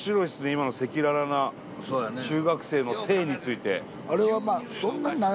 今の赤裸々な中学生の性について。